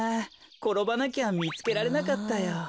ころばなきゃみつけられなかったよ。